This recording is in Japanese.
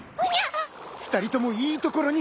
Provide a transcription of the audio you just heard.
２人ともいいところに！